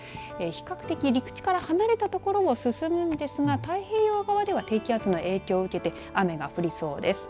比較的陸地から離れた所を進むんですが太平洋側では低気圧の影響を受けて雨が降りそうです。